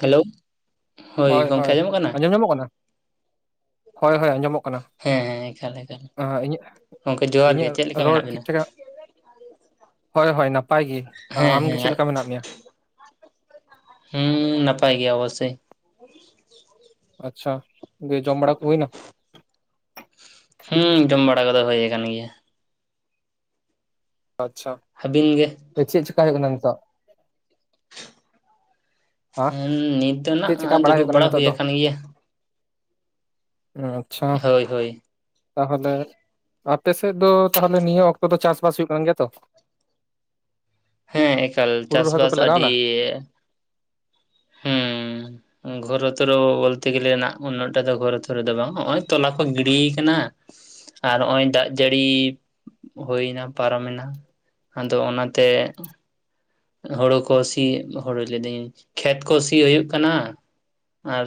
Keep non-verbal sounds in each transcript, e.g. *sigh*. *inaudible* Hello. ᱦᱚᱭ ᱜᱚᱝᱠᱮ ᱟᱸᱡᱚᱢᱚᱜ ᱠᱟᱱᱟ? ᱟᱸᱡᱚᱢᱚᱜ ᱠᱟᱱᱟ? ᱦᱚᱭ-ᱦᱚᱭ ᱟᱸᱡᱚᱢᱚᱜ ᱠᱟᱱᱟ ᱦᱮᱸ ᱦᱮᱸ ᱮᱠᱟᱞ ᱮᱠᱟᱞ ᱟᱸ-ᱤᱧᱟᱹᱜ ᱜᱚᱝᱠᱮ ᱡᱚᱦᱟᱨ ᱜᱮ ᱤᱧᱟᱹᱜ ᱪᱮᱫ ᱞᱮᱠᱟ ᱨᱚᱲ ᱢᱮᱱᱟᱜ ᱵᱤᱱᱟ ᱴᱷᱤᱠ ᱴᱷᱟᱠ ᱦᱚᱭ-ᱦᱚᱭ ᱱᱟᱯᱟᱭ ᱜᱤ ᱾ ᱦᱮᱸ ᱟᱢ ᱜᱤ ᱪᱤᱜ ᱦᱮᱸ ᱞᱮᱠᱟ ᱢᱮᱱᱟᱜ ᱢᱮᱭᱟ? ᱦᱩᱸ ᱱᱟᱯᱟᱭ ᱜᱮᱭᱟ ᱚᱵᱚᱥᱥᱚᱭ ᱾ ᱟᱪᱪᱷᱟ, ᱫᱤᱭᱮ ᱡᱚᱢ ᱵᱟᱲᱟ ᱠᱚ ᱦᱩᱭᱱᱟ? ᱦᱩᱸ ᱡᱚᱢ ᱵᱟᱲᱟ ᱠᱚᱫᱚ ᱦᱚᱭ ᱠᱟᱱ ᱜᱮᱭᱟ ᱾ ᱟᱪᱪᱷᱟ ᱾ ᱦᱟᱵᱤᱱ ᱜᱮ? ᱪᱮᱜ ᱪᱮᱠᱟ ᱦᱩᱭᱩᱜ ᱠᱟᱱᱟ ᱱᱤᱛᱚᱜ? ᱦᱟᱸ ᱦᱮᱸᱻ ᱱᱤᱛ ᱪᱮᱫ ᱱᱟᱜ ᱪᱮᱠᱟ ᱵᱟᱲᱟᱭ ᱦᱩᱭᱩᱜ ᱫᱩᱲᱩᱵ ᱵᱟᱲᱟ ᱦᱩᱭ ᱟᱠᱟᱱ ᱜᱮᱭᱟ ᱾ ᱚᱸ ᱟᱪᱪᱷᱟ ᱦᱳᱭ ᱦᱳᱭ ᱾ ᱛᱟᱦᱚᱞᱮ ᱟᱯᱮ ᱥᱮᱫ ᱫᱚ ᱛᱟᱦᱚᱞᱮ ᱱᱤᱭᱟᱹ ᱚᱠᱛᱚ ᱫᱚ ᱪᱟᱥᱼᱵᱟᱥ ᱦᱩᱭᱩᱜ ᱠᱟᱱ ᱜᱮᱭᱟ ᱛᱚ? ᱦᱮᱸ, ᱮᱠᱟᱞ ᱦᱩᱲᱩ ᱨᱚᱦᱚᱭ ᱪᱟᱥᱼᱵᱟᱥ ᱠᱚᱯᱮ ᱟᱰᱤᱻ ᱞᱟᱜᱟᱣᱱᱟ? ᱮ ᱦᱮᱸᱻ ᱾ ᱜᱷᱚᱨᱚ ᱛᱚᱨᱚ ᱵᱚ-ᱵᱚᱞᱛᱮ ᱜᱮᱞᱮ ᱱᱟᱜ ᱩᱱᱟᱹᱜ ᱴᱟ ᱫᱚ ᱜᱷᱚᱨᱚ ᱛᱷᱚᱨᱚ ᱫᱚ ᱵᱟᱝ ᱦᱚᱸᱜᱼᱚᱭ ᱛᱚᱞᱟ ᱠᱚ ᱜᱤᱰᱤᱭ ᱠᱟᱱᱟ ᱾ ᱟᱨ ᱦᱚᱜ-ᱚᱭ ᱫᱟᱜ ᱡᱟᱹᱲᱤ ᱦᱩᱭ ᱱᱟ ᱯᱟᱨᱚᱢ ᱮᱱᱟ ᱟᱫᱚ ᱚᱱᱟ ᱛᱮ ᱦᱳᱲᱳ ᱠᱚ ᱥᱤ ᱦᱳᱲᱳ ᱞᱟᱹᱭ ᱫᱟᱹᱧ ᱠᱷᱮᱛ ᱠᱚ ᱥᱤ ᱦᱩᱭᱩᱜ ᱠᱟᱱᱟ ᱾ ᱟᱨ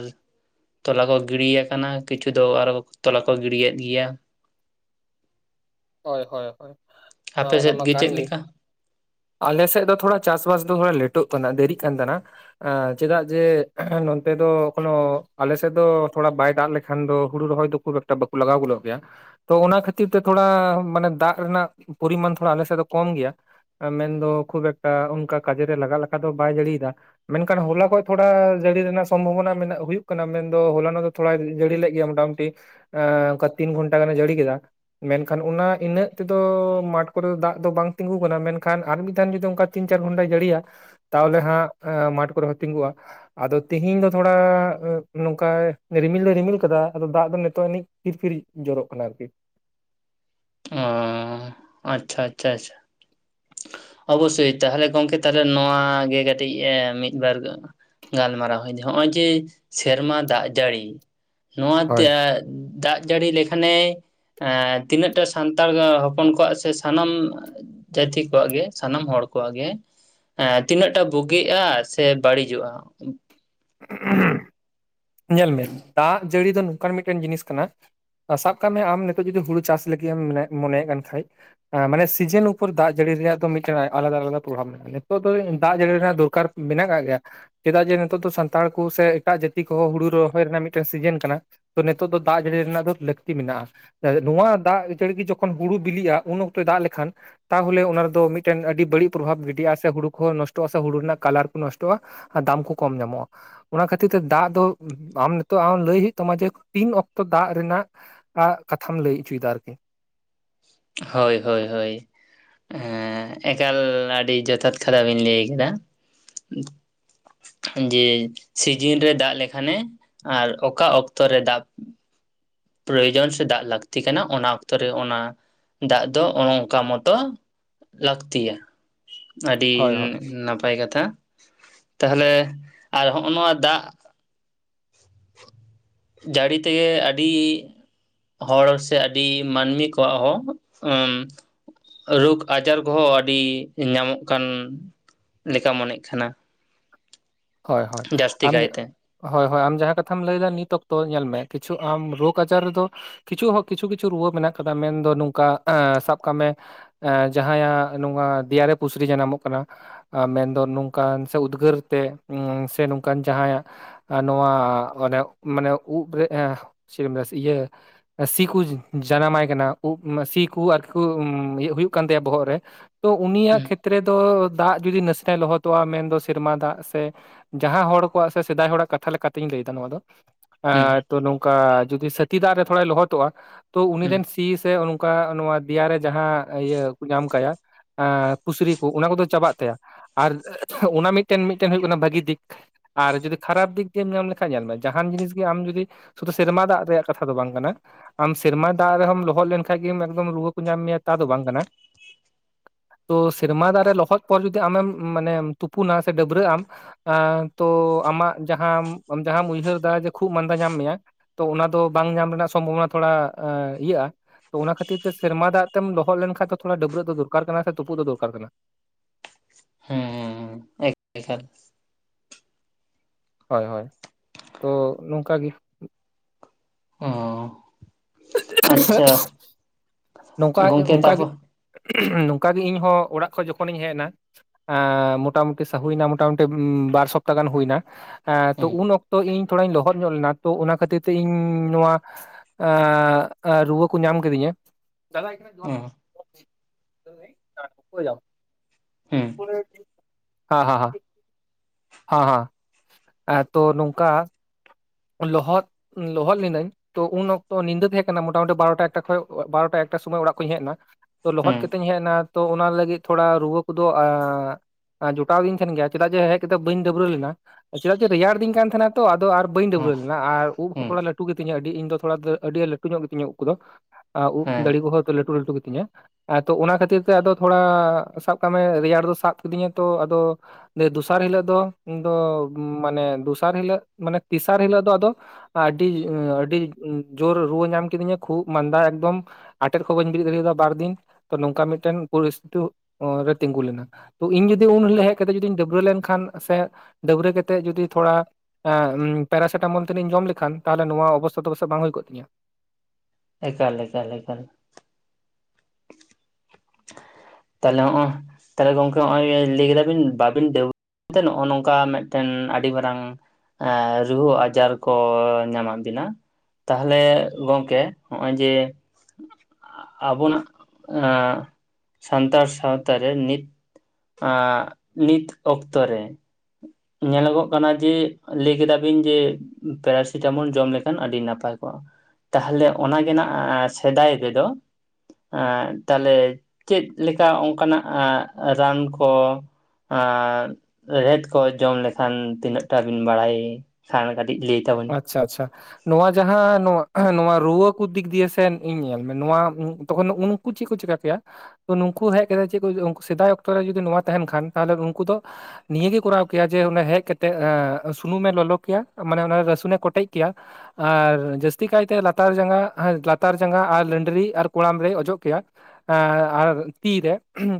ᱛᱚᱞᱟ ᱠᱚ ᱜᱤᱰᱤᱭ ᱟᱠᱟᱱᱟ ᱠᱤᱪᱷᱩ ᱫᱚ ᱟᱨᱚ ᱛᱚᱞᱟ ᱠᱚ ᱜᱤᱰᱤᱭᱮᱜ ᱜᱤᱭᱟ ᱾ ᱦᱚᱭ-ᱦᱚᱭ-ᱦᱚᱭ, ᱟᱯᱮ ᱚᱱᱟ ᱥᱮᱫ ᱢᱟ ᱜᱮ ᱠᱟᱱ ᱪᱮᱫ ᱜᱤ ᱾ ᱞᱮᱠᱟ ᱟᱞᱮ ᱥᱮᱫ ᱫᱚ ᱛᱷᱚᱲᱟ ᱪᱟᱥᱵᱟᱥ ᱫᱚ ᱦᱟ ᱞᱮᱴᱚᱜ ᱠᱟᱱᱟ ᱫᱮᱨᱤᱜ ᱠᱟᱱ ᱛᱟᱸᱦᱮᱱᱟ ᱾ ᱮᱸ ᱪᱮᱫᱟᱜ ᱡᱮ ᱱᱚᱱᱛᱮ ᱫᱚ ᱠᱳᱱᱳ ᱟᱞᱮ ᱥᱮᱫ ᱫᱚ ᱛᱷᱚᱲᱟ ᱵᱟᱭ ᱫᱟᱜ ᱞᱮᱠᱷᱟᱱ ᱫᱚ ᱦᱩᱲᱩ ᱨᱚᱦᱚᱭ ᱫᱚ ᱠᱷᱩᱵ ᱮᱠᱴᱟ ᱵᱟᱠᱚ ᱞᱟᱜᱟᱣ ᱜᱚᱞᱚᱜ ᱜᱮᱭᱟ, ᱛᱚ ᱚᱱᱟ ᱠᱷᱟᱹᱛᱤᱨ ᱛᱮ ᱛᱷᱚᱲᱟ ᱚᱸ ᱢᱟᱱᱮ ᱫᱟᱜ ᱨᱮᱱᱟᱜ ᱯᱚᱨᱤᱢᱟᱱ ᱛᱷᱚᱲᱟ ᱟᱞᱮ ᱥᱮᱫ ᱫᱚ ᱠᱚᱢ ᱜᱤᱭᱟ ᱾ ᱟ ᱢᱮᱱ ᱫᱚ ᱠᱷᱩᱵ ᱮᱠᱴᱟ ᱚᱱᱠᱟ ᱠᱟᱡᱮ ᱨᱮ ᱞᱟᱜᱟᱜ ᱞᱮᱠᱟ ᱫᱚ ᱵᱟᱭ ᱡᱟᱹᱲᱤᱭ ᱫᱟ ᱾ ᱢᱮᱱᱠᱷᱟᱱ ᱦᱚᱞᱟ ᱠᱷᱚᱡ ᱛᱷᱚᱲᱟ ᱡᱟᱹᱲᱤ ᱨᱮᱱᱟᱜ ᱥᱚᱢᱵᱷᱚᱵᱚᱱᱟ ᱢᱮᱱᱟᱜ ᱦᱩᱭᱩᱜ ᱠᱟᱱᱟ ᱢᱮᱱ ᱫᱚ ᱦᱚᱞᱟ ᱱᱚᱜ ᱫᱚ ᱛᱷᱚᱲᱟᱭ ᱡᱟᱹᱲᱤ ᱞᱮᱫ ᱜᱮᱭᱟ ᱢᱚᱴᱟᱢᱩᱴᱤ ᱮᱸ ᱚᱱᱠᱟ ᱛᱤᱱ ᱜᱷᱚᱱᱴᱟ ᱜᱟᱱᱮ ᱡᱟᱹᱲᱤ ᱠᱮᱫᱟ ᱾ ᱢᱮᱱᱠᱷᱟᱱ ᱚᱱᱟ ᱤᱱᱟᱹᱜ ᱛᱮᱫᱚ ᱢᱟᱴ ᱠᱚᱨᱮ ᱫᱚ ᱫᱟᱜ ᱫᱚ ᱵᱟᱝ ᱛᱤᱸᱜᱩ ᱠᱟᱱᱟ ᱢᱮᱱᱠᱷᱟᱱ ᱟᱨ ᱢᱤᱫ ᱫᱷᱟᱣ ᱡᱩᱫᱤ ᱚᱱᱠᱟ ᱛᱤᱱ ᱪᱟᱨ ᱜᱷᱚᱱᱴᱟᱭ ᱡᱟᱹᱲᱤᱭᱟ ᱛᱟᱦᱚᱞᱮ ᱦᱟᱸᱜ ᱮ ᱢᱟᱴ ᱠᱚᱨᱮ ᱦᱚᱸ ᱛᱤᱸᱜᱩᱜ-ᱟ ᱾ ᱟᱫᱚ ᱛᱤᱦᱤᱧ ᱫᱚ ᱛᱷᱚᱲᱟ ᱟᱹᱵ ᱱᱚᱝᱠᱟᱭ ᱨᱤᱢᱤᱞ ᱫᱚᱭ ᱨᱤᱢᱤᱞ ᱠᱟᱫᱟ ᱟᱫᱚ ᱫᱟᱜ ᱫᱚ ᱱᱤᱛᱚᱜ ᱟᱹᱱᱤᱡ ᱯᱷᱤᱨᱼᱯᱷᱤᱨᱤᱡ ᱡᱚᱨᱚᱜ ᱠᱟᱱᱟ ᱟᱨ ᱠᱤ ᱾ ᱮᱸᱻ ᱟᱪᱪᱷᱟ ᱟᱪᱪᱷᱟ ᱟᱪᱪᱷᱟ ᱾ ᱚᱵᱚᱥᱥᱳᱭ ᱛᱟᱦᱟᱞᱮ ᱜᱚᱢᱠᱮ ᱛᱟᱦᱞᱮ ᱱᱚᱣᱟ ᱜᱮ ᱠᱟᱹᱴᱤᱡ ᱮᱸ ᱢᱤᱫ ᱵᱟᱨ ᱜᱟᱞᱢᱟᱨᱟᱣ ᱦᱩᱭᱱᱟ ᱦᱚᱜᱼᱚᱭ ᱡᱮ ᱥᱮᱨᱢᱟ ᱫᱟᱜ ᱡᱟᱹᱲᱤ ᱱᱚᱣᱟ ᱛᱮ ᱦᱳᱭ ᱟᱼᱫᱟᱜ ᱡᱟᱹᱲᱤ ᱞᱮᱠᱷᱟᱱᱮ ᱛᱤᱱᱟᱹᱜ ᱛᱮ ᱥᱟᱱᱛᱟᱲ ᱜᱚᱼᱦᱚᱯᱚᱱ ᱠᱚᱣᱟᱜ ᱥᱮ ᱥᱟᱱᱟᱢ ᱡᱟᱹᱛᱤ ᱠᱚᱣᱟᱜ ᱜᱮ ᱥᱟᱱᱟᱢ ᱦᱚᱲ ᱠᱚᱣᱟᱜ ᱜᱮ ᱮᱸ ᱛᱤᱱᱟᱹᱜ ᱴᱟ ᱵᱩᱜᱤᱜᱼᱟ ᱥᱮ ᱵᱟᱹᱲᱤᱡᱚᱜᱼᱟ? *inaudible* ᱧᱮᱞ ᱢᱮ ᱫᱟᱜ ᱡᱟᱹᱲᱤ ᱫᱚ ᱱᱚᱝᱠᱟᱱ ᱢᱤᱫᱴᱮᱱ ᱡᱤᱱᱤᱥ ᱠᱟᱱᱟ ᱥᱟᱵ ᱠᱟᱜ ᱢᱮ ᱟᱢ ᱱᱤᱛᱚᱜ ᱡᱚᱫᱤ ᱦᱩᱲᱩ ᱪᱟᱥ ᱞᱟᱹᱜᱤᱫ ᱮᱢ ᱢᱮᱱᱮ-ᱢᱚᱱᱮᱭᱮᱜ ᱠᱟᱱ ᱠᱷᱟᱡ ᱮ ᱢᱟᱱ ᱥᱤᱡᱤᱱ ᱩᱯᱚᱨ ᱫᱟᱜ ᱡᱟᱹᱲᱤ ᱨᱮᱭᱟᱜ ᱫᱚ ᱢᱤᱫᱴᱮᱱ ᱟ-ᱟᱞᱟᱫᱟ-ᱟᱞᱟᱫᱟ ᱯᱨᱚᱵᱷᱟᱵᱽ ᱢᱮᱱᱟᱜ ᱾ ᱱᱤᱛᱚᱜ ᱫᱚ ᱫᱟᱜ ᱡᱟᱹᱲᱤ ᱨᱮᱱᱟᱜ ᱫᱚᱨᱠᱟᱨ ᱢᱮᱱᱟᱜ ᱠᱟᱜ ᱜᱮᱭᱟ ᱪᱮᱫᱟᱜ ᱡᱮ ᱱᱤᱛᱚᱜ ᱫᱚ ᱥᱟᱱᱛᱟᱲ ᱠᱩ ᱥᱮ ᱮᱴᱟᱜ ᱡᱟᱹ ᱛᱤ ᱠᱚ ᱦᱩᱲᱩ ᱨᱚᱦᱚᱭ ᱨᱮᱱᱟᱜ ᱢᱤᱫᱴᱟᱝ ᱥᱤᱡᱮᱱ ᱠᱟᱱᱟ, ᱛᱚ ᱱᱤᱛᱚᱜ ᱫᱚ ᱫᱟᱜ ᱡᱟᱹᱲᱤ ᱨᱮᱱᱟᱜ ᱫᱚ ᱞᱟᱹᱠᱛᱤ ᱢᱮᱱᱟᱜᱼᱟ ᱾ ᱱᱚᱣᱟ ᱫᱟᱜ ᱡᱟᱹᱲᱤ ᱡᱚᱠᱷᱚᱱ ᱦᱩᱲᱩ ᱵᱤᱞᱤᱜᱼᱟ ᱩᱱ ᱚᱠᱛᱚᱭ ᱫᱟᱜ ᱞᱮᱠᱷᱟᱱ ᱛᱟᱦᱚᱞᱮ ᱚᱱᱟ ᱨᱮᱫᱚ ᱢᱤᱫᱴᱮᱱ ᱟᱹᱰᱤ ᱵᱟᱹᱲᱤᱡ ᱯᱨᱚᱵᱷᱟᱵᱽ ᱜᱤᱰᱤᱜᱼᱟ ᱥᱮ ᱦᱩᱲᱩ ᱠᱚᱦᱚᱸ ᱱᱚᱥᱴᱚᱜᱼᱟ ᱥᱮ ᱦᱩᱲᱩ ᱨᱮᱱᱟᱜ ᱠᱟᱞᱟᱨ ᱠᱚ ᱱᱚᱥᱴᱚᱜᱼᱟ ᱾ ᱟ ᱫᱟᱢ ᱠᱚ ᱠᱚᱢ ᱧᱟᱢᱚᱜᱼᱟ, ᱚᱱᱟ ᱠᱷᱟᱹᱛᱤᱨ ᱛᱮ ᱫᱟᱜ ᱛᱳ ᱩᱦᱩ ᱟᱢ ᱱᱤᱛᱚᱜ ᱟᱢ ᱞᱟᱹᱭ ᱦᱩᱭᱩᱜ ᱛᱟᱢᱟ ᱡᱮ ᱛᱤᱱ ᱚᱠᱛᱚ ᱫᱟᱜ ᱨᱮᱱᱟᱜ ᱟᱜ ᱠᱟᱛᱷᱟᱢ ᱞᱟᱹᱭ ᱚᱪᱩᱭ ᱫᱟ ᱟᱨᱠᱤ ᱦᱳᱭ, ᱦᱳᱭ, ᱦᱳᱭ ᱾ ᱦᱮᱸ, ᱮᱠᱟᱞ ᱟᱹᱰᱤ ᱡᱚᱛᱷᱟᱛ ᱠᱟᱛᱷᱟ ᱵᱤᱱ ᱞᱟᱹᱭ ᱠᱮᱫᱟ ᱾ ᱡᱮ ᱥᱤᱡᱤᱱ ᱨᱮ ᱫᱟᱜ ᱞᱮᱠᱷᱟᱱᱮ ᱟᱨ ᱚᱠᱟ ᱚᱠᱛᱚ ᱨᱮ ᱫᱟᱜ ᱯᱨᱳᱭᱳᱡᱚᱱ ᱥᱮ ᱫᱟᱜ ᱞᱟᱹᱠᱛᱤ ᱠᱟᱱᱟ ᱚᱱᱟ ᱚᱠᱛᱚ ᱨᱮ ᱚᱱᱟ ᱫᱟᱜ ᱫᱚ ᱚᱱᱠᱟ ᱢᱚᱛᱚ ᱞᱟᱠᱛᱤᱭᱟ ᱟᱰᱤ ᱦᱳᱭ ᱦᱳᱭ ᱱᱟ-ᱱᱟᱯᱟᱭ ᱠᱟᱛᱷᱟ ᱾ ᱛᱟᱦᱟᱞᱮ ᱟᱨ ᱦᱚᱸᱜᱼᱚ ᱱᱚᱣᱟ ᱫᱟᱜ ᱡᱟᱲᱤ ᱛᱮᱜᱮ ᱟᱹᱰᱤ ᱦᱚᱲ ᱥᱮ ᱟᱰᱤ ᱢᱟᱱᱢᱤ ᱠᱚᱣᱟᱜ ᱦᱚᱸ ᱩᱢ ᱨᱳᱜᱽ ᱟᱡᱟᱨ ᱠᱚᱦᱚᱸ ᱟᱰᱤ ᱧᱟᱢᱚᱜ ᱠᱟᱱ ᱞᱮᱠᱟ ᱢᱚᱱᱮᱜ ᱠᱟᱱᱟ ᱾ ᱦᱳᱭ-ᱦᱳᱭ ᱾ ᱟᱢ ᱧᱮ ᱠᱟᱭᱛᱮ ᱦᱚᱭ-ᱦᱚᱭ, ᱟᱢ ᱡᱟᱦᱟᱸ ᱠᱟᱛᱷᱟᱢ ᱞᱟᱹᱭ ᱫᱟ ᱱᱤᱛ ᱚᱠᱛᱚ ᱧᱮᱞ ᱢᱮ ᱠᱤᱪᱷᱩ ᱟᱢ ᱨᱳᱜᱽ ᱟᱡᱟᱨ ᱨᱮᱫᱚ ᱠᱤᱪᱷᱩ ᱦᱚᱸ ᱠᱤᱪᱷᱩ-ᱠᱤᱷᱪᱩ ᱨᱩᱭᱟᱹ ᱢᱮᱱᱟᱜ ᱠᱟᱫᱟ ᱢᱮᱱᱫᱚ ᱱᱚᱝᱠᱟ ᱮᱸ ᱥᱟᱵ ᱠᱟᱜ ᱢᱮ ᱮᱸ ᱡᱟᱦᱟᱸᱭᱼᱟᱜ ᱱᱚᱣᱟ ᱫᱮᱭᱟ ᱨᱮ ᱯᱩᱥᱨᱤ ᱡᱟᱱᱟᱢᱚᱜ ᱠᱟᱱᱟ ᱾ ᱟ ᱢᱮᱱᱫᱚ ᱱᱚᱝᱠᱟᱱ ᱥᱮ ᱩᱫᱽᱜᱟᱹᱨ ᱛᱮ ᱩᱸ ᱥᱮ ᱱᱚᱝᱠᱟᱱ ᱡᱟᱦᱟᱸᱭᱼᱟᱜ ᱮ ᱱᱚᱣᱟ ᱚᱱᱮ ᱢᱟᱱᱮ ᱩᱵ ᱨᱮ ᱮ *unintelligible* ᱤᱭᱟᱹ ᱥᱤ ᱠᱩ ᱡᱤ-ᱡᱟᱱᱟᱢᱟᱭ ᱠᱟᱱᱟ ᱩᱵ ᱩᱢᱱᱮ ᱥᱤ ᱠᱩ ᱟᱨᱠᱤ ᱠᱩ ᱩᱢ ᱦᱩᱭᱩᱜ ᱠᱟᱱ ᱛᱟᱭᱟ ᱵᱚᱦᱚᱜ ᱨᱮ ᱾ ᱛᱚ ᱩᱱᱤᱭᱟᱜ ᱦᱩᱸ ᱠᱷᱮᱛᱨᱮ ᱫᱚ ᱫᱟᱜ ᱡᱩᱫᱤ ᱱᱟᱥᱤᱱᱟᱜ ᱞᱚᱦᱚᱛᱚᱼᱟ ᱢᱮᱱᱫᱚ ᱥᱮᱨᱢᱟ ᱫᱟᱜ ᱥᱮ ᱡᱟᱦᱟᱸ ᱦᱚᱲ ᱠᱚᱣᱟᱜ ᱥᱮ ᱥᱮᱫᱟᱭ ᱦᱚᱲᱟᱜ ᱠᱟᱛᱷᱟ ᱞᱮᱠᱟ ᱛᱤᱧ ᱞᱟᱹᱭ ᱫᱟ ᱱᱚᱣᱟ ᱫᱚ ᱦᱩᱸ ᱮᱸ ᱛᱚ ᱱᱚ ᱠᱟ ᱡᱩᱫᱤ ᱥᱟᱹᱛᱤ ᱫᱟᱜ ᱨᱮ ᱛᱷᱚᱲᱟᱭ ᱞᱚᱦᱚᱛᱚᱜᱼᱟ ᱾ ᱛᱚ ᱩᱱᱤ ᱦᱩᱸ ᱨᱮᱱ ᱥᱤ ᱥᱮ ᱚᱱᱠᱟ ᱱᱚᱣᱟ ᱫᱮᱭᱟ ᱨᱮ ᱡᱟᱦᱟᱸ ᱤᱭᱟᱹ ᱧᱟᱢ ᱠᱟᱭᱟ ᱟᱸ ᱯᱩᱥᱨᱤ ᱠᱩ ᱚᱱᱟ ᱠᱚᱫᱚ ᱪᱟᱵᱟᱜ ᱛᱟᱭᱟ, ᱟᱨ ᱚᱱᱟ ᱢᱤᱫᱴᱮᱱ ᱢᱤᱫᱴᱮᱱ ᱦᱩᱭᱩᱜ ᱠᱟᱱᱟ ᱵᱷᱟ ᱜᱤ ᱫᱤᱠ ᱟᱨ ᱡᱩᱫᱤ ᱠᱷᱟᱨᱟᱯ ᱫᱤᱠ ᱫᱤᱭᱮᱢ ᱧᱟᱢ ᱞᱮᱠᱷᱟᱱ ᱧᱮᱞ ᱢᱮ ᱡᱟᱦᱟᱸᱱ ᱡᱤᱱᱤᱥ ᱜᱮ ᱟᱢ ᱡᱩᱫᱤ ᱥᱩᱫᱷᱩ ᱥᱮᱨᱢᱟ ᱫᱟᱜ ᱨᱮᱭᱟᱜ ᱠᱟᱛᱷᱟ ᱫᱚ ᱵᱟᱝ ᱠᱟᱱᱟ ᱾ ᱟᱢ ᱥᱮᱨᱢᱟ ᱫᱟᱜ ᱨᱮᱦᱚᱢ ᱞᱚᱦᱚᱫ ᱞᱮᱱᱠᱷᱟᱡ ᱜᱤ ᱮᱠᱫᱚᱢ ᱨᱩᱣᱟᱹ ᱠᱚ ᱧᱟᱢ ᱢᱮᱭᱟ ᱛᱟ ᱫᱚ ᱵᱟᱝ ᱠᱟᱱᱟ ᱾ ᱛᱳ ᱥᱮᱨᱢᱟ ᱫᱟᱜ ᱨᱮ ᱞᱚᱦᱚᱫ ᱯᱚᱨ ᱡᱩᱫᱤ ᱟᱢᱮᱢ ᱢᱟᱱᱮ ᱛᱩᱯᱩᱱᱟ ᱥᱮ ᱰᱟᱹᱵᱨᱟᱹᱜ ᱟᱢ ᱟᱸ ᱛᱚ ᱟᱢᱟᱜ ᱡᱟᱦᱟᱸᱢ ᱡᱟᱦᱟᱸᱢ ᱩᱭᱦᱟᱹᱨ ᱫᱟ ᱡᱮ ᱠᱷᱩᱜ ᱢᱟᱸᱫᱟ ᱧᱟᱢ ᱢᱮᱭᱟ ᱛᱚ ᱚᱱᱟ ᱫᱚ ᱵᱟᱝ ᱧᱟᱢ ᱨᱮᱱᱟᱜ ᱥᱚᱢᱵᱷᱚᱵᱚᱱᱟ ᱛᱷᱳᱲᱟ ᱟᱸ ᱤᱭᱟᱹᱜᱼᱟ ᱾ ᱛᱚ ᱚᱱᱟ ᱠᱷᱟᱹᱛᱤᱨ ᱛᱮ ᱥᱮᱨᱢᱟ ᱫᱟᱜ ᱛᱮᱢ ᱞᱚᱦᱚᱫ ᱞᱮᱱᱠᱷᱟᱡ ᱛᱚ ᱛᱷᱚᱲᱟ ᱰᱟᱹᱵᱽᱨᱟᱹᱜ ᱫᱚ ᱫᱚᱨᱠᱟᱨ ᱠᱟᱱᱟ ᱥᱮ ᱛᱩᱯᱩ ᱫᱚ ᱫᱚᱨᱠᱟᱨ ᱠᱟᱱᱟ ᱾ ᱮ ᱠᱷᱟᱱ ᱦᱚᱭ ᱦᱚᱭ ᱛᱚ ᱱᱚᱝᱠᱟ ᱜᱤ ᱚ ᱟᱪᱪᱷᱟ ᱾ ᱱᱚᱝᱠᱟ ᱜᱮ ᱚᱱᱠᱟ ᱜᱮ ᱱᱚᱝᱠᱟ ᱜᱮ ᱤᱧᱦᱚᱸ ᱚᱲᱟᱜ ᱠᱷᱚᱡ ᱡᱚᱠᱷᱚᱱᱤᱧ ᱦᱮᱡ ᱱᱟ ᱾ ᱟᱸ ᱢᱚᱴᱟᱢᱩᱴᱤ ᱥᱟᱦᱩᱭ ᱱᱟ ᱢᱚᱴᱟᱢᱩᱴᱤ ᱵᱟᱨ ᱥᱚᱯᱛᱟ ᱜᱟᱱ ᱦᱩᱭ ᱱᱟ ᱾ ᱮᱸ ᱛᱚ ᱦᱩᱸ ᱩᱱ ᱚᱠᱛᱚ ᱤᱧ ᱛᱷᱚᱲᱟᱧ ᱞᱚᱦᱚᱫ ᱧᱚᱜ ᱞᱮᱱᱟ ᱛᱚ ᱚᱱᱟ ᱠᱷᱟᱹᱛᱤᱨ ᱛᱮ ᱤᱧ ᱱᱚᱣᱟ ᱟᱸᱻ ᱟᱸ ᱨᱩᱣᱟᱹ ᱠᱩ ᱧᱟᱢ ᱠᱤᱫᱤᱧᱟ ᱾ ᱦᱩᱸ *unintelligible* ᱦᱩᱸ *inaudible* ᱦᱟᱸ ᱦᱟᱸᱦᱟᱸ ᱾ ᱦᱚᱸ ᱦᱚᱸ ᱮ ᱛᱚ ᱱᱚᱝᱠᱟ ᱞᱚᱦᱚᱫ ᱞᱚᱦᱚᱫ ᱞᱤᱫᱟᱹᱧ ᱾ ᱛᱚ ᱩᱱ ᱚᱠᱛᱚ ᱱᱤᱫᱟᱹ ᱛᱮᱦᱮᱸ ᱠᱟᱱᱟ ᱢᱚᱴᱟᱢᱩᱴᱤ ᱵᱟᱨᱚᱴᱟ ᱮᱠᱴᱟ ᱠᱷᱚᱡ ᱚ ᱵᱟᱨᱚᱴᱟ ᱮᱠᱴᱟ ᱥᱚᱢᱚᱭ ᱚᱲᱟᱜ ᱠᱷᱚᱡ ᱤᱧ ᱦᱮᱡ ᱱᱟ ᱾ ᱛᱚ ᱞᱚᱦᱚᱫ ᱦᱩᱸ ᱠᱟᱛᱮᱧ ᱦᱮᱡ ᱮᱱᱟ ᱛᱚ ᱚᱱᱟ ᱞᱟᱹᱜᱤᱫ ᱛᱷᱚᱲᱟ ᱨᱩᱣᱟᱹ ᱠᱚᱫᱚ ᱮᱸᱜ ᱡᱚᱴᱟᱣ ᱟᱹᱫᱤᱧ ᱛᱮᱦᱮᱱ ᱜᱮᱭᱟ ᱪᱮᱫᱟᱜ ᱡᱮ ᱦᱮᱡ ᱠᱟᱛᱮᱫ ᱵᱟᱹᱧ ᱰᱟᱹᱵᱨᱟᱹ ᱞᱮᱱᱟ, ᱪᱮᱫᱟᱜ ᱡᱮ ᱨᱮᱭᱟᱲ ᱤᱫᱤᱧ ᱠᱟᱱ ᱛᱮᱦᱮᱸᱱᱟ ᱛᱚ ᱟᱫᱚ ᱟᱨ ᱵᱟᱹᱧ ᱰᱟᱹᱵᱽᱨᱟᱹ ᱦᱩᱸ ᱞᱮᱱᱟ ᱟᱨ ᱩᱵ ᱦᱚ ᱦᱩᱸ ᱛᱷᱚᱲᱟ ᱞᱟᱹᱴᱩ ᱜᱮᱛᱤᱧᱟ ᱟᱹᱰᱤ ᱤᱧ ᱫᱚ ᱛᱷᱚᱲᱟ ᱫᱚ ᱟᱹᱰᱤ ᱞᱟᱹᱴᱩ ᱧᱚᱜ ᱜᱮᱛᱤᱧᱟ ᱩᱵ ᱠᱚᱫᱚ ᱾ ᱟ ᱩᱵ ᱦᱮᱸ ᱫᱟᱹᱲᱤ ᱠᱚᱦᱚᱸ ᱛᱚ ᱞᱟᱹᱴᱩ ᱞᱟᱹᱴᱩ ᱜᱮ ᱛᱤᱧᱟ ᱾ ᱟᱛᱚ ᱚᱱᱟ ᱠᱷᱟᱹᱛᱤᱨ ᱛᱮ ᱟᱫᱚ ᱛᱷᱚᱲᱟ ᱥᱟᱵ ᱠᱟᱜ ᱢᱮ ᱨᱮᱭᱟᱲ ᱫᱚ ᱥᱟᱵ ᱠᱤᱫᱤᱧᱟ ᱛᱚ ᱟᱫᱚ ᱫᱚᱥᱟᱨ ᱦᱤᱞᱳᱜ ᱫᱚ ᱫᱚ ᱚ-ᱢᱟᱱᱮ ᱫᱚᱥᱟᱨ ᱦᱤᱞᱳᱜ ᱢᱟᱱᱮ ᱛᱤᱥᱟᱨ ᱦᱤᱞᱳᱜ ᱫᱚ ᱟᱫᱚ ᱟᱹᱰᱤ ᱮᱸ ᱟᱹᱰᱤ ᱡᱳᱨ ᱨᱩᱣᱟᱹ ᱧᱟᱢ ᱠᱤᱫᱤᱧᱟ ᱠᱷᱩᱜ ᱢᱟᱸᱫᱟ ᱮᱠᱫᱚᱢ ᱟᱴᱮᱫ ᱠᱷᱚᱡ ᱵᱟᱹᱧ ᱵᱤᱨᱤᱜ ᱫᱟᱲᱤᱭᱟᱫᱟ ᱵᱟᱨᱫᱤᱱ ᱛᱚ ᱱᱚᱝᱠᱟ ᱢᱤᱫᱴᱮᱱ ᱯᱚᱨᱤᱥᱛᱷᱤᱛᱤ ᱩᱜ ᱨᱮ ᱛᱤᱸᱜᱩ ᱞᱮᱱᱟ ᱾ ᱤᱧ ᱡᱩᱫᱤ ᱩᱱ ᱦᱤᱞᱳᱜ ᱦᱮᱡ ᱠᱟᱛᱮ ᱡᱩᱫᱤ ᱰᱟᱹᱵᱨᱟᱹ ᱞᱮᱱᱠᱷᱟᱱ ᱥᱮ ᱰᱟᱹᱵᱨᱟᱹ ᱠᱟᱛᱮᱜ ᱡᱩᱫᱤ ᱛᱷᱚᱲᱟ ᱮᱸ ᱩᱢ ᱯᱮᱨᱟᱥᱮᱴᱟᱢᱚᱞ ᱛᱤᱱᱟᱹᱜ ᱤᱧ ᱡᱚᱢ ᱞᱮᱠᱷᱟᱱ ᱛᱟᱦᱚᱞᱮ ᱱᱚᱣᱟ ᱚᱵᱚᱥᱛᱷᱟ ᱫᱚ ᱯᱟᱥᱮᱡ ᱵᱟᱝ ᱦᱩᱭ ᱠᱚᱜ ᱛᱤᱧᱟᱹ ᱾ ᱮᱠᱟᱞ ᱮᱠᱟᱞ ᱮᱠᱟᱞ ᱛᱟᱦᱚᱞᱮ ᱦᱚᱸᱼᱚ ᱛᱟᱦᱚᱞᱮ ᱜᱚᱝᱠᱮ ᱦᱚᱸᱼᱚᱭ ᱞᱟᱹᱭ ᱠᱮᱫᱟ ᱵᱤᱱ ᱵᱟᱵᱤᱱ ᱰᱟ. ᱛᱮ ᱱᱚᱜᱼᱚ ᱱᱚᱝᱠᱟᱱ ᱢᱮᱫᱴᱮᱱ ᱟᱹᱰᱤ ᱢᱟᱨᱟᱝ ᱦᱮ ᱨᱩᱦᱟᱹ ᱟᱡᱟᱨ ᱠᱚ ᱧᱟᱢᱟᱜ ᱵᱤᱱᱟ ᱾ ᱛᱟᱦᱟᱞᱮ ᱜᱚᱝᱠᱮ ᱦᱚᱜᱼᱚᱭ ᱡᱮ ᱟᱵᱚᱱᱟᱜ ᱦᱟᱸ ᱥᱟᱱᱛᱟᱲ ᱥᱟᱶᱛᱟ ᱨᱮ ᱱᱤᱛ ᱟᱸ ᱱᱤᱛ ᱚᱠᱛᱚ ᱨᱮ ᱧᱮᱞᱚᱜᱚᱜ ᱠᱟᱱᱟ ᱡᱮ ᱞᱟᱹᱭ ᱠᱮᱫᱟ ᱵᱤᱱ ᱡᱮ ᱯᱮᱨᱟᱥᱤᱴᱟᱢᱚᱞ ᱡᱚᱢ ᱞᱮᱠᱷᱟᱱ ᱟᱹᱰᱤ ᱱᱟᱯᱟᱭ ᱠᱚᱜᱼᱟ ᱾ ᱛᱟᱦᱟᱞᱮ ᱚᱱᱟ ᱜᱮᱱᱟᱜ ᱟ ᱥᱮᱫᱟᱭ ᱨᱮᱫᱚ ᱮᱸ ᱛᱟᱦᱚᱞᱮ ᱪᱤᱫ ᱞᱮᱠᱟ ᱚᱱᱠᱟᱱᱟᱜ ᱟᱜ ᱨᱟᱱ ᱠᱚ ᱟᱸᱻ ᱨᱮᱦᱮᱫ ᱠᱚ ᱡᱚᱢ ᱞᱮᱠᱷᱟᱱ ᱛᱤᱱᱟᱹᱜ ᱴᱟᱜ ᱵᱤᱱ ᱵᱟᱲᱟᱭ ᱠᱷᱟᱱ ᱠᱟᱹᱴᱤᱡ ᱞᱟᱹᱭ ᱛᱟᱵᱚᱱ ᱪᱷᱟ ᱟᱪᱪᱷᱟ ᱾ ᱱᱚᱣᱟ ᱡᱟᱦᱟᱸ ᱱᱚᱣᱟ ᱱᱚᱣᱟ ᱨᱩᱣᱟᱹ ᱠᱚ ᱫᱤᱠ ᱫᱤᱭᱮ ᱥᱮ ᱤᱧ ᱧᱮᱞ ᱢᱮ ᱱᱚᱣᱟ ᱛᱚᱠᱷᱚᱱ ᱫᱚ ᱩᱱᱠᱩ ᱪᱤᱜ ᱠᱩ ᱪᱤᱠᱟᱹ ᱠᱮᱭᱟ? ᱱᱩᱠᱩ ᱦᱮᱡ ᱠᱟᱛᱮ ᱪᱤᱜ ᱠᱩ ᱩᱱᱠᱩ ᱥᱮᱫᱟᱭ ᱚᱠᱛᱚ ᱨᱮ ᱡᱩᱫᱤ ᱱᱚᱣᱟ ᱛᱟᱦᱮᱱ ᱠᱷᱟᱱ ᱛᱟᱦᱚᱞᱮ ᱩᱱᱠᱩ ᱫᱚ ᱱᱤᱭᱟᱹ ᱜᱮ ᱠᱚᱨᱟᱣ ᱠᱮᱭᱟ ᱡᱮ ᱚᱱᱮ ᱦᱮᱡ ᱠᱟᱛᱮ ᱮᱸ ᱥᱩᱱᱩᱢ ᱮ ᱞᱚᱞᱚ ᱠᱮᱭᱟ ᱢᱟᱱᱮ ᱚᱱᱟ ᱨᱟ ᱥᱩᱱᱮ ᱠᱚᱴᱮᱡ ᱠᱮᱭᱟ ᱾ ᱟᱨ ᱡᱟᱹᱥᱛᱤ ᱠᱟᱭᱛᱮ ᱞᱟᱛᱟᱨ ᱡᱟᱸᱜᱟ ᱦᱟᱹ ᱞᱟᱛᱟᱨ ᱡᱟᱸᱜᱟ ᱟ ᱞᱟᱹᱰᱨᱤ ᱟᱨ ᱠᱚᱲᱟᱢ ᱨᱮᱭ ᱚᱡᱚᱜ ᱠᱮᱭᱟ ᱾ ᱮᱸ ᱟᱨ ᱛᱤ ᱨᱮ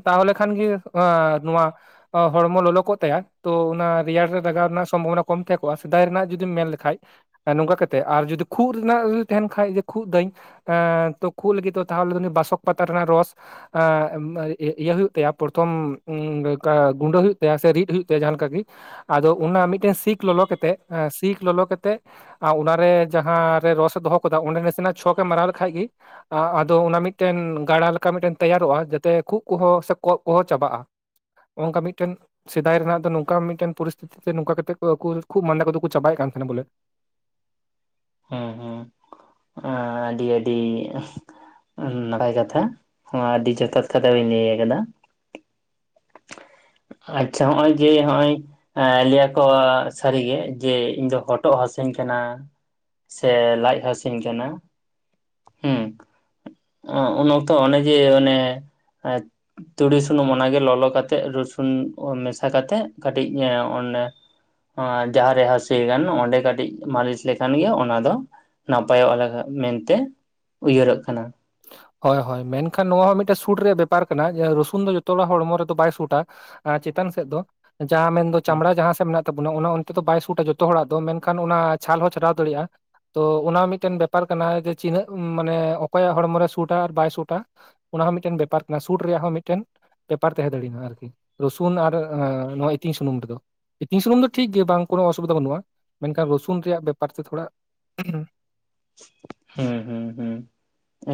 ᱛᱟᱦᱚᱞᱮ ᱠᱷᱟᱱ ᱜᱮ ᱟᱸ-ᱱᱚᱣᱟ ᱦᱚᱲᱢᱚ ᱞᱚᱞᱚ ᱠᱚᱜ ᱛᱟᱭᱟ ᱛᱚ ᱚᱱᱟ ᱨᱮᱭᱟᱲ ᱨᱮ ᱞᱟᱜᱟᱣ ᱨᱮᱱᱟᱜ ᱥᱚᱢᱵᱷᱚᱵᱚᱱᱟ ᱠᱚᱢ ᱛᱮᱦᱮᱸᱠᱚᱜᱼᱟ, ᱥᱮᱫᱟᱭ ᱨᱮᱱᱟᱜ ᱡᱩᱫᱤᱢ ᱢᱮᱱ ᱞᱮ ᱠᱷᱟᱱ ᱱᱚᱝᱠᱟ ᱠᱟᱛᱮ ᱟᱨ ᱡᱩᱫᱤ ᱠᱷᱩᱜ ᱨᱮᱱᱟᱜ ᱩᱫᱤ ᱛᱟᱦᱮᱱ ᱠᱷᱟᱡ ᱡᱮ ᱠᱷᱩᱜ ᱫᱟᱹᱧ ᱮᱸ ᱛᱚ ᱠᱷᱩᱜ ᱞᱤᱜᱤ ᱛᱚ ᱛᱟᱦᱚᱞᱮ ᱫᱚ ᱩᱱᱤ ᱟᱥᱚᱠ ᱯᱟᱛᱟ ᱨᱮᱱᱟᱜ ᱨᱚᱥ ᱮᱸᱜ ᱤᱭᱟᱹ-ᱤᱭᱟᱹ ᱦᱩᱭᱩᱜ ᱛᱟᱭᱟ ᱯᱨᱚᱛᱷᱚᱢ ᱩᱢ ᱞᱮᱠᱟ ᱜᱩᱸᱰᱟᱹ ᱦᱩᱭᱩᱜ ᱛᱟᱭᱟ ᱥᱮ ᱨᱤᱫ ᱦᱩᱭᱩᱜ ᱛᱟᱭᱟ ᱡᱟᱦᱟᱸ ᱞᱮᱠᱟ ᱜᱤ ᱾ ᱟᱫᱚ ᱚᱱᱟ ᱢᱤᱫᱴᱮᱱ ᱥᱤᱠ ᱞᱚᱞᱚ ᱠᱮᱛᱮᱜ ᱥᱤᱠ ᱞᱚᱞᱚ ᱠᱮᱛᱮᱜ ᱟ ᱚᱱᱟᱨᱮ ᱡᱟᱦᱟᱸ ᱨᱮ ᱨᱚᱥ ᱮ ᱫᱚᱦᱚ ᱠᱟᱫᱟ ᱚᱸᱰᱮ ᱱᱟᱥᱮᱱᱟᱜ ᱪᱷᱚᱠ ᱮ ᱢᱟᱨᱟᱣ ᱞᱮᱠᱷᱟᱡ ᱜᱤ ᱟ-ᱟᱫᱚ ᱚᱱᱟ ᱢᱤᱫᱴᱮᱱ ᱜᱟᱲᱟ ᱞᱮᱠᱟ ᱢᱤᱫᱴᱮᱱ ᱛᱮᱭᱟᱨᱚᱜᱼᱟ, ᱡᱟᱛᱮ ᱠᱷᱩᱜᱽ ᱠᱚᱦᱚᱸ ᱥᱮ ᱠᱚᱸᱜ ᱠᱚᱦᱚᱸ ᱪᱟᱵᱟᱜᱼᱟ ᱾ ᱚᱝᱠᱟ ᱢᱤᱫᱴᱮᱱ ᱥᱮᱫᱟᱭ ᱨᱮᱱᱟᱜ ᱫᱚ ᱱᱚᱝᱠᱟ ᱢᱤᱫᱴᱮᱱ ᱯᱚᱨᱤᱥᱛᱤᱛᱤ ᱛᱮ ᱱᱚᱝᱠᱟ ᱠᱟᱛᱮᱜ ᱠᱚ ᱟᱠᱩ ᱠᱷᱩᱜᱽ ᱢᱟᱸᱫᱟ ᱠᱚᱫᱚ ᱠᱚ ᱪᱟᱵᱟᱭᱮᱜ ᱠᱟᱱ ᱛᱟᱦᱮᱸ ᱱᱟ ᱵᱚᱞᱮ ᱾ ᱦᱚᱸ-ᱦᱚᱸ ᱮᱸ ᱟᱹᱰᱤ-ᱟᱹᱰᱤ ᱩᱢ ᱵᱟᱲᱟᱭ ᱠᱟᱛᱷᱟ ᱦᱚᱸ ᱟᱹᱰᱤ ᱡᱚᱛᱷᱟᱛ ᱠᱟᱛᱷᱟ ᱵᱮᱱ ᱞᱟᱹᱭ ᱟᱠᱟᱫᱟ ᱾ ᱟᱪᱪᱷᱟ ᱦᱚᱜᱼᱚᱭ ᱡᱮ ᱦᱚᱜᱼᱚᱭ ᱮᱸ ᱞᱟᱹᱭ ᱟᱠᱚ ᱥᱟᱹᱨᱤᱜᱮ ᱡᱮ, ᱤᱧ ᱫᱚ ᱦᱚᱴᱚᱜ ᱦᱟᱥᱩᱧ ᱠᱟᱱᱟ ᱾ ᱥᱮ ᱞᱟᱡ ᱦᱟᱹᱥᱩᱧ ᱠᱟᱱᱟ, ᱦᱩᱸ ᱾ ᱚᱸ-ᱚᱱᱮ ᱛᱚ ᱚᱱᱮ ᱡᱮ ᱚᱱᱮ ᱮ ᱛᱩᱲᱤ ᱥᱩᱱᱩᱢ ᱚᱱᱟᱜᱮ ᱞᱚᱞᱚ ᱠᱟᱛᱮᱜ ᱨᱚᱥᱩᱱ ᱚ-ᱢᱮᱥᱟ ᱠᱟᱛᱮᱜ ᱠᱟᱹᱴᱤᱡ ᱮᱸ ᱚᱱᱮ ᱚᱸ ᱡᱟᱦᱟᱸ ᱨᱮ ᱦᱟᱹᱥᱩᱭᱮ ᱠᱟᱱ ᱚᱸᱰᱮ ᱠᱟᱹᱴᱤᱡ ᱢᱟᱹᱞᱤᱥ ᱞᱮᱠᱷᱟᱱ ᱜᱮ ᱚᱱᱟ ᱫᱚ ᱱᱟᱯᱟᱭᱼᱚᱜ ᱞᱟᱜᱟᱜ ᱢᱮᱱᱛᱮ ᱩᱭᱦᱟᱹᱨᱼᱚᱜ ᱠᱟᱱᱟ ᱾ ᱦᱳᱭ-ᱦᱳᱭ, ᱢᱮᱱᱠᱷᱟᱱ ᱱᱚᱣᱟ ᱦᱚᱸ ᱢᱤᱫᱴᱮ ᱥᱩᱴ ᱨᱮᱭᱟᱜ ᱵᱮᱯᱟᱨ ᱠᱟᱱᱟ ᱡᱮ ᱨᱩᱥᱩᱱ ᱫᱚ ᱡᱚᱛᱚ ᱦᱚᱲᱟᱜ ᱦᱚᱲᱢᱚ ᱨᱮᱫᱚ ᱵᱟᱭ ᱥᱩᱴᱼᱟ ᱾ ᱪᱮᱛᱟᱱ ᱥᱮᱫ ᱫᱚ ᱡᱟᱦᱟᱸ ᱢᱮᱱ ᱫᱚ ᱪᱟᱢᱲᱟ ᱡᱟᱦᱟᱸ ᱥᱮ ᱢᱮᱱᱟᱜ ᱛᱚᱵᱚᱱᱟ ᱚᱱᱟ ᱚᱱᱛᱮ ᱫᱚ ᱵᱟᱭ ᱥᱩᱴᱟ ᱡᱚᱛᱚ ᱦᱚᱲᱟᱜ ᱫᱚ ᱢᱮᱱᱠᱷᱟᱱ ᱚᱱᱟ ᱪᱷᱟᱞ ᱦᱚᱸ ᱪᱷᱟᱰᱟᱣ ᱫᱟᱲᱮᱼᱟ ᱾ ᱛᱚ ᱚᱱᱟ ᱢᱤᱫᱴᱮᱱ ᱵᱮᱯᱟᱨ ᱠᱟᱱᱟ ᱡᱮ ᱪᱤᱱᱟᱹᱜ ᱢᱟᱱᱮ ᱚᱠᱚᱭᱟ ᱦᱚᱲᱢᱚ ᱨᱮ ᱥᱩᱴᱼᱟ ᱟᱨ ᱵᱟᱭ ᱥᱩᱴᱼᱟ ᱾ ᱚᱱᱟ ᱦᱚᱸ ᱢᱤᱫᱴᱮᱱ ᱵᱮᱯᱟᱨ ᱠᱟᱱᱟ ᱥᱩᱴ ᱨᱮᱭᱟᱜ ᱦᱚᱸ ᱢᱤᱫᱴᱮᱱ ᱵᱮᱯᱟᱨ ᱛᱟᱦᱮᱸ ᱫᱟᱲᱤᱧᱟ ᱟᱨᱠᱤ ᱾ ᱨᱚᱥᱩᱱ ᱟᱨ ᱮᱸ ᱱᱚᱣᱟ ᱤᱛᱤᱝ ᱥᱩᱱᱩᱢ ᱨᱮᱫᱚ ᱯᱷᱤᱛᱝ ᱥᱩᱱᱩᱢ ᱫᱚ ᱴᱷᱤᱠ ᱜᱤ ᱵᱟᱝ ᱠᱳᱱᱳ ᱚᱥᱩᱵᱤᱫᱷᱟ ᱵᱟᱹᱱᱩᱜᱼᱟ ᱢᱮᱱᱠᱷᱟᱱ ᱨᱚᱥᱩᱱ ᱨᱮᱭᱟᱜ ᱵᱮᱯᱟᱨ ᱛᱮ ᱛᱷᱚᱲᱟ ᱦᱩᱸ ᱦᱩᱸ ᱦᱩᱸ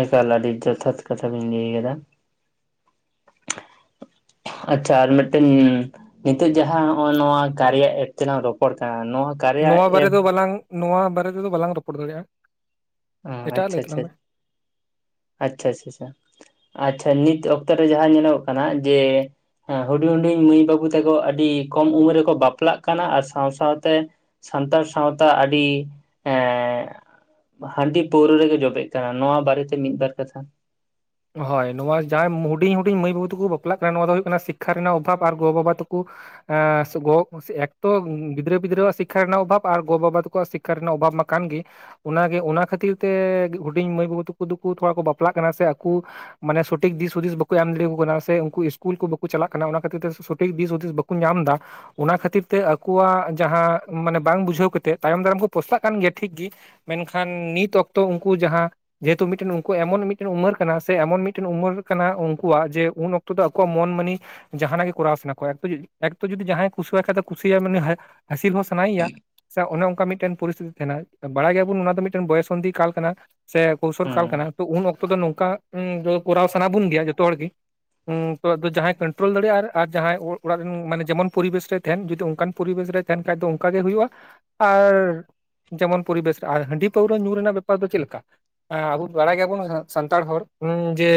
ᱮᱠᱟᱞ ᱟᱹᱰᱤ ᱡᱚᱛᱷᱟᱛ ᱠᱟᱛᱷᱟ ᱵᱤᱱ ᱞᱟᱹᱭ ᱠᱟᱫᱟ ᱟᱪᱪᱷᱟ ᱟᱨ ᱢᱤᱫᱴᱮᱱ ᱱᱤᱛᱚᱜ ᱡᱟᱦᱟᱸ ᱱᱚᱜᱼᱚᱭ ᱱᱚᱣᱟ ᱠᱟᱨᱮᱭᱟ ᱮᱯ ᱛᱮᱞᱟᱟᱝ ᱨᱚᱯᱚᱲ ᱠᱟᱱᱟ ᱱᱚᱣᱟ ᱠᱟᱨᱭᱟ ᱱᱚᱣᱟ ᱵᱟᱨᱮ ᱮᱯ ᱫᱚ ᱵᱟᱞᱟᱝ ᱱᱚᱣᱟ ᱵᱟᱨᱮ ᱛᱮᱫᱚ ᱵᱟᱞᱟᱝ ᱨᱚᱯᱚᱲ ᱫᱟᱲᱮᱭᱟᱜᱼᱟ ᱚ ᱮᱴᱟᱜ ᱞᱟᱹᱭ ᱟᱪᱷᱟ ᱛᱟᱞᱟᱝ ᱢᱮ ᱟᱪᱷᱟᱷᱟ ᱟᱪᱪᱷᱟ ᱟᱪᱪᱷᱟ ᱪᱷᱟ ᱟᱪᱪᱷᱟ ᱱᱤᱛ ᱚᱠᱛᱚᱮ ᱡᱟᱦᱟᱸ ᱧᱮᱞᱚᱜ ᱠᱟᱱᱟ ᱡᱮ ᱦᱮᱸ ᱦᱩᱰᱤᱧ ᱦᱩᱰᱤᱧ ᱢᱟᱹᱭ-ᱵᱟᱹᱵᱩ ᱛᱟᱠᱚ ᱟᱹᱰᱤ ᱠᱚᱢ ᱩᱢᱮᱨ ᱨᱮᱠᱚ ᱵᱟᱯᱞᱟᱜ ᱠᱟᱱᱟ ᱟᱨ ᱥᱟᱶ-ᱥᱟᱶᱛᱮ ᱥᱟᱱᱛᱟᱲ ᱥᱟᱶᱛᱟ ᱟᱹᱰᱤ ᱮᱸ ᱦᱟᱺᱰᱤ ᱯᱟᱹᱣᱨᱟᱹ ᱨᱮᱜᱮ ᱡᱚᱵᱮᱜ ᱠᱟᱱᱟ ᱱᱚᱣᱟ ᱵᱟᱨᱮ ᱛᱮ ᱢᱤᱫ-ᱵᱟᱨ ᱠᱟᱛᱷᱟ ᱦᱳᱭ, ᱱᱚᱣᱟ ᱡᱟᱦᱟᱸᱭ ᱦᱩᱰᱤᱧ ᱦᱩᱰᱤᱧ ᱢᱟᱹᱭ-ᱵᱟᱹᱵᱩ ᱛᱩᱠᱩ ᱵᱟᱯᱞᱟᱜ ᱠᱟᱱᱟ, ᱱᱚᱣᱟ ᱫᱚ ᱦᱩᱭᱩᱜᱳᱭ ᱠᱟᱱᱟ ᱥᱤᱠᱷᱟ ᱨᱮᱱᱟᱜ ᱚᱵᱷᱟᱵᱽ ᱟᱨ ᱜᱚ-ᱵᱟᱵᱟ ᱛᱟᱠᱩ ᱟ ᱥᱮ ᱜᱚ ᱥᱮ ᱮᱠᱛᱚ ᱜᱤᱫᱽᱨᱟᱹ ᱯᱤᱫᱽᱨᱟᱹᱣᱟᱜ ᱥᱤᱠᱷᱟ ᱨᱮᱱᱟᱜ ᱚᱵᱷᱟᱵ ᱟᱨ ᱜᱚ ᱵᱟᱵᱟ ᱛᱟᱠᱚᱣᱟᱜ ᱥᱤᱠᱠᱷᱟ ᱨᱮᱱᱟᱜ ᱚᱵᱷᱟᱵ ᱢᱟ ᱠᱟᱱᱟᱱ ᱜᱤ ᱾ ᱚᱱᱟ ᱜᱮ ᱚᱱᱟ ᱠᱷᱟᱹᱛᱤᱨ ᱛᱮ ᱦᱩᱰᱤᱧ ᱢᱟᱹᱭ-ᱵᱟᱹᱵᱩ ᱛᱟᱠᱩ ᱫᱩᱠᱩ ᱱᱚᱣᱟ ᱠᱩ ᱵᱟᱯᱞᱟᱜ ᱠᱟᱱᱟ ᱥᱮ ᱟᱠᱩ ᱢᱟᱱᱮ ᱥᱚᱴᱷᱤᱠ ᱫᱤᱥ ᱦᱩᱫᱤᱥ ᱵᱟᱠᱚ ᱮᱢ ᱫᱟᱲᱮᱠᱚ ᱠᱟᱱᱟ ᱥᱮ ᱩᱱᱠᱩ ᱤᱥᱠᱩᱞ ᱠᱚ ᱵᱟᱠᱚ ᱪᱟᱞᱟᱜ ᱠᱟᱱᱟ ᱚᱱᱟ ᱠᱷᱟᱹᱛᱤᱨ ᱛᱮ ᱥᱚᱴᱷᱤᱠ ᱫᱤᱥ ᱦᱩᱫᱤᱥ ᱵᱟᱠᱚ ᱧᱟᱢ ᱮᱫᱟ ᱚᱱᱟ ᱠᱷᱟᱹᱛᱤᱨ ᱛᱮ ᱟᱠᱚᱣᱟᱜ ᱡᱟᱦᱟᱸ ᱢᱟᱱᱮ ᱵᱟᱝ ᱵᱩᱡᱷᱟᱹᱣ ᱠᱟᱛᱮᱫ ᱛᱟᱭᱚᱢ ᱫᱟᱨᱟᱢ ᱠᱚ ᱯᱚᱥᱛᱟᱜ ᱠᱟᱱ ᱜᱮᱭᱟ ᱴᱷᱤᱠ ᱜᱤ ᱢᱮᱱᱠᱷᱟᱱ ᱱᱤᱛ ᱚᱠᱛᱚ ᱩᱱᱠᱩ ᱡᱟᱦᱟᱸ ᱡᱮᱦᱮᱛᱩ ᱮᱢᱚᱱ ᱢᱤᱫᱴᱮᱱ ᱩᱱᱠᱩ ᱮᱢᱚᱱ ᱢᱤᱫᱴᱮᱱ ᱩᱢᱟᱹᱨ ᱠᱟᱱᱟ ᱥᱮ ᱮᱢᱚᱱ ᱢᱤᱫᱴᱮᱱ ᱩᱢᱮᱨ ᱠᱟᱱᱟ ᱩᱱᱠᱩᱣᱟᱜ ᱡᱮ ᱩᱱ ᱚᱠᱛᱚ ᱫᱚ ᱟᱠᱚᱣᱟᱜ ᱢᱚᱱ ᱢᱟᱹᱱᱤ ᱡᱟᱦᱟᱱᱟᱜ ᱜᱮ ᱠᱚᱨᱟᱣ ᱥᱟᱱᱟ ᱠᱚᱣᱟ ᱮ ᱮᱠᱛᱚ ᱡᱩᱫᱤ ᱡᱟᱦᱟᱸᱭ ᱠᱩᱥᱤᱣᱟᱜ ᱠᱷᱟᱡ ᱫᱚ ᱠᱩᱥᱤᱭᱟᱭ ᱩᱱᱤᱟᱱ ᱦᱟᱹᱥᱤᱞ ᱦᱚᱸ ᱥᱟᱱᱟᱭᱮᱭᱟ ᱥᱮ ᱚᱱᱮ ᱚᱱᱠᱟ ᱢᱤᱫᱴᱮᱱ ᱯᱚᱨᱤᱥᱛᱷᱤᱛᱤ ᱛᱟᱦᱮᱱᱟ ᱵᱟᱲᱟᱭ ᱜᱮᱭᱟᱵᱚᱱ ᱚᱱᱟ ᱫᱚ ᱢᱤᱫᱴᱮᱱ ᱵᱚᱭᱚᱥᱚᱱᱫᱷᱤ ᱠᱟᱞ ᱠᱟᱱᱟ ᱥᱮ ᱠᱳᱣᱥᱚᱞ ᱦᱩᱸ ᱠᱟᱞ ᱠᱟᱱᱟ ᱛᱚ ᱩᱱ ᱚᱠᱛᱚ ᱫᱚ ᱱᱚᱝᱠᱟ ᱠᱚᱨᱟᱣ ᱥᱟᱱᱟ ᱵᱚᱱ ᱜᱮᱭᱟ ᱡᱚᱛᱚ ᱦᱚᱲ ᱜᱤ ᱚ ᱡᱟᱦᱟᱸᱭ ᱠᱚᱱᱴᱨᱳᱞ ᱫᱟᱲᱮᱭᱟᱜᱼᱟ ᱟᱨ ᱡᱟᱦᱟᱸᱭ ᱚᱲᱟᱜ ᱨᱮᱱ ᱢᱟᱱᱮ ᱡᱮᱢᱚᱱ ᱯᱚᱨᱤᱵᱮᱥ ᱨᱮᱭ ᱛᱟᱦᱮᱱ ᱡᱩᱫᱤ ᱚᱱᱠᱟᱱ ᱯᱚᱨᱤᱵᱮᱥ ᱨᱮ ᱛᱟᱦᱮᱱ ᱠᱷᱟᱡ ᱫᱚ ᱚᱱᱠᱟᱟᱜ ᱜᱮ ᱦᱩᱭᱩᱜᱼᱟ ᱟᱨ ᱡᱮᱢᱚᱱ ᱯᱚᱨᱤᱵᱮᱥ ᱟᱨ ᱦᱟᱺᱰᱤ ᱯᱟᱹᱣᱨᱟᱹ ᱧᱩ ᱨᱮᱱᱟᱜ ᱵᱮᱯᱟᱨ ᱫᱚ ᱪᱮᱫ ᱞᱮᱠᱟ ᱟᱵᱚ ᱵᱟᱲᱟᱭ ᱜᱮᱭᱟᱵᱚᱱ ᱥᱟ ᱛᱟᱲ ᱦᱚᱲ ᱩ ᱡᱮ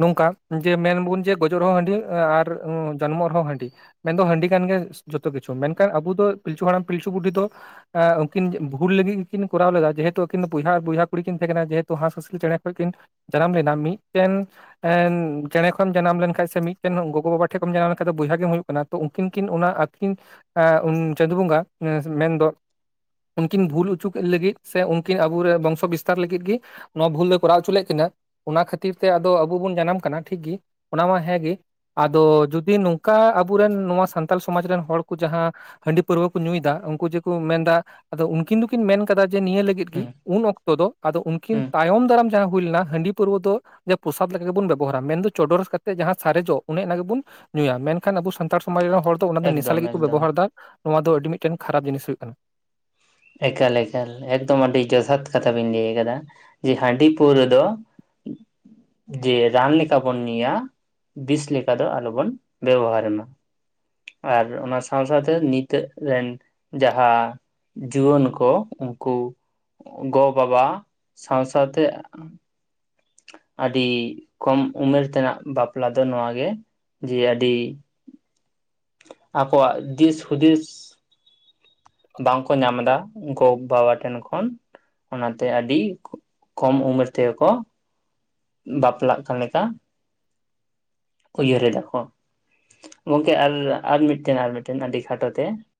ᱱᱚᱝᱠᱟ ᱡᱮ ᱢᱮᱱᱵᱚᱱ ᱡᱮ ᱜᱚᱡᱚᱜ ᱨᱮᱦᱚᱸ ᱦᱟᱺᱰᱤ ᱟᱨ ᱡᱚᱱᱢᱚᱜ ᱨᱮᱦᱚᱸ ᱦᱟᱺᱰᱤ ᱢᱮᱱᱫᱚ ᱦᱟᱺᱰᱤ ᱠᱟᱱ ᱜᱮᱭᱟ ᱡᱚᱛᱚ ᱠᱤᱪᱷᱩ ᱢᱮᱱᱠᱷᱟᱱ ᱟᱵᱚ ᱫᱚ ᱯᱤᱞᱪᱩ ᱦᱟᱲᱟᱢ ᱯᱤᱞᱪᱩ ᱵᱩᱰᱷᱤ ᱫᱚ ᱩᱱᱠᱤᱱ ᱵᱷᱩᱞ ᱞᱟᱹᱜᱤᱜ ᱜᱮᱠᱤᱱ ᱠᱚᱨᱟᱣ ᱞᱮᱫᱟ ᱡᱮᱦᱮᱛᱩ ᱟᱹᱠᱤᱱ ᱫᱚ ᱵᱚᱭᱦᱟ ᱟᱨ ᱵᱚᱭᱦᱟ ᱠᱩᱤ ᱠᱤᱱ ᱛᱟᱦᱮᱸ ᱠᱟᱱᱟ ᱡᱮᱦᱮᱛᱩ ᱦᱟᱸᱥ ᱦᱟᱹᱥᱤᱞ ᱪᱮᱬᱮ ᱠᱷᱚᱡ ᱠᱤᱱ ᱡᱟᱱᱟᱢ ᱞᱮᱱᱟ ᱢᱤᱫᱴᱮᱱ ᱪᱮᱲᱮ ᱠᱷᱚᱱ ᱡᱟᱱᱟᱢ ᱞᱮᱱᱠᱟᱡ ᱥᱮ ᱢᱤᱫᱴᱮᱱ ᱜᱚᱜᱚ ᱵᱟᱵᱟ ᱴᱷᱮᱱ ᱠᱷᱚᱱᱮᱢ ᱡᱟᱱᱟᱢ ᱞᱮᱱᱠᱷᱟᱱ ᱫᱚ ᱵᱚᱭᱦᱟ ᱜᱮᱢ ᱦᱩᱭᱩᱜ ᱠᱟᱱᱟ ᱛᱚ ᱩᱱᱠᱤᱱ ᱠᱤᱱ ᱚᱱᱟ ᱟᱹᱠᱤᱱ ᱪᱟᱸᱫᱳ ᱵᱚᱸᱜᱟ ᱢᱮᱱᱫᱚ ᱩᱱᱠᱤᱱ ᱵᱷᱩᱞ ᱚᱪᱩ ᱠᱤᱱ ᱞᱟᱹᱜᱤᱫ ᱥᱮ ᱩᱱᱠᱤᱱ ᱟᱵᱚᱨᱮ ᱵᱚᱝᱥᱚ ᱵᱤᱥᱛᱟᱨ ᱞᱟᱹᱜᱤᱫ ᱜᱤ ᱱᱚᱣᱟ ᱵᱷᱩᱞ ᱫᱚᱭ ᱠᱚᱨᱟᱣ ᱦᱚᱪᱚ ᱞᱮᱫ ᱠᱤᱱᱟᱹ ᱚᱱᱟ ᱠᱷᱟᱹᱛᱤᱨ ᱛᱮ ᱟᱫᱚ ᱟᱵᱚ ᱵᱚᱱ ᱡᱟᱱᱟᱢ ᱠᱟᱱᱟ ᱴᱷᱤᱠᱜᱮ ᱚᱱᱟ ᱢᱟ ᱦᱮᱸᱜᱮ ᱟᱫᱚ ᱡᱩᱫᱤ ᱱᱚᱝᱠᱟ ᱟᱵᱚᱨᱮᱱ ᱱᱚᱣᱟ ᱥᱟᱱᱛᱟᱞ ᱥᱚᱢᱟᱡᱽ ᱨᱮᱱ ᱦᱚᱲ ᱠᱚ ᱡᱟᱦᱟᱸ ᱦᱟᱺᱰᱤ ᱯᱟᱹᱨᱣᱟᱹ ᱠᱚ ᱧᱩᱭ ᱮᱫᱟ ᱩᱱᱠᱩ ᱡᱮᱠᱚ ᱢᱮᱱᱫᱟ ᱟᱫᱚ ᱩᱱᱠᱤᱱ ᱫᱚᱠᱤᱱ ᱢᱮᱱ ᱠᱟᱫᱟᱟ ᱡᱮ ᱱᱤᱭᱟᱹ ᱞᱟᱹᱜᱤᱫ ᱜᱮ ᱦᱩᱸ ᱩᱱ ᱚᱠᱛᱚ ᱫᱚ ᱟᱫᱚ ᱩᱱᱠᱤᱱ ᱦᱩᱸ ᱛᱟᱭᱚᱢ ᱫᱟᱨᱟᱢ ᱡᱟᱦᱟᱸ ᱦᱩᱭ ᱞᱮᱱᱟ ᱦᱟᱺᱰᱤ ᱯᱩᱨᱣᱟ. ᱹ ᱫᱚ ᱡᱮ ᱯᱨᱚᱥᱟᱫ ᱞᱮᱠᱟ ᱜᱮᱵᱚᱱ ᱵᱮᱵᱚᱦᱟᱨᱟ ᱢᱮᱱᱫᱚ ᱪᱚᱰᱚᱨ ᱠᱟᱛᱮᱜ ᱡᱟᱦᱟᱸ ᱥᱟᱨᱮᱡᱚᱜ ᱚᱱᱮ ᱚᱱᱟ ᱜᱮᱵᱚᱱ ᱧᱩᱭᱟ ᱢᱮᱱᱠᱷᱟᱱ ᱟᱵᱚ ᱥᱟᱱᱛᱟᱲ ᱥᱚᱢᱟᱡᱽ ᱨᱮᱱ ᱦᱚᱲ ᱛᱚ ᱚᱱᱟ ᱫᱚ ᱱᱮᱥᱟ ᱮᱠᱫᱚᱢ ᱞᱟᱹᱜᱤᱫ ᱠᱚ ᱮᱠᱫᱚᱢ ᱵᱮᱵᱚᱦᱟᱨᱮᱫᱟ ᱱᱚᱣᱟ ᱫᱚ ᱟᱹᱰᱤ ᱢᱤᱫᱴᱮᱱ ᱠᱷᱟᱨᱟᱯ ᱡᱤᱱᱤᱥ ᱦᱩᱭᱩᱜ ᱠᱟᱱᱟ ᱮᱠᱟᱞ ᱮᱠᱟᱞ ᱮᱠᱫᱚᱢ ᱟᱹᱰᱤ ᱡᱚᱛᱷᱟᱛ ᱠᱟᱛᱷᱟ ᱵᱮᱤᱱ ᱞᱟᱹᱭ ᱟᱠᱟᱫᱟ ᱡᱮ ᱦᱟᱺᱰᱤ ᱯᱟᱹᱣᱨᱟᱹ ᱫᱚ *inaudible* ᱡᱮ ᱨᱟᱱ ᱞᱮᱠᱟ ᱵᱚᱱ ᱧᱩᱭᱟ ᱵᱤᱥ ᱞᱮᱠᱟ ᱫᱚ ᱟᱞᱚᱵᱚᱱ ᱵᱮᱵᱚᱦᱟᱨ ᱢᱟ ᱟᱨ ᱚᱱᱟ ᱥᱟᱶ ᱥᱟᱶᱛᱮ ᱱᱤᱛᱚᱜ ᱨᱮᱱ ᱡᱟᱦᱟᱸ ᱡᱩᱣᱟᱹᱱ ᱠᱚ ᱩᱱᱠᱩ ᱜᱚ ᱵᱟᱵᱟ ᱥᱟᱶ ᱥᱟᱶᱛᱮ ᱟᱹᱰᱤ ᱠᱚᱢ ᱩᱢᱮᱨ ᱛᱮᱱᱟᱜ ᱵᱟᱯᱞᱟ ᱫᱚ ᱱᱚᱣᱟ ᱜᱮ ᱡᱮ ᱟᱹᱰᱤ ᱟᱠᱚᱣᱟᱜ ᱫᱤᱥ ᱦᱩᱫᱤᱥ ᱵᱟᱝᱠᱚ ᱧᱟᱢᱫᱟ ᱜᱚ ᱵᱟᱵᱟ ᱴᱷᱮᱱ ᱠᱷᱚᱱ ᱚᱱᱟᱛᱮ ᱟᱹᱰᱤ ᱠᱚᱢ ᱩᱢᱮᱨ ᱛᱮᱜᱮᱠᱚ ᱵᱟᱯᱞᱟᱜ ᱠᱟᱱ ᱞᱮᱠᱟ ᱩᱭᱦᱟᱹᱨᱮᱫᱟ ᱠᱚ ᱜᱚᱝᱠᱮ ᱟᱨ ᱟᱨ ᱢᱤᱫᱴᱮᱱ ᱟᱨ ᱢᱤᱫᱴᱮᱱ ᱟᱹᱰᱤ ᱠᱷᱟᱴᱚ ᱛᱮ